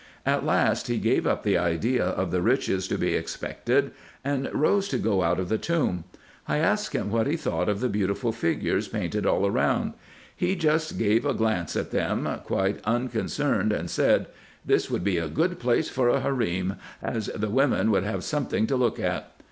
At last 248 RESEARCHES AND OPERATIONS he o ave up the idea of the riches to be expected, and rose to go out of the tomb. I asked him what he thought of the beautiful figures painted all around. He just gave a glance at them, quite un concerned, and said, " This would be a good place for a harem, as the women would have something to look at."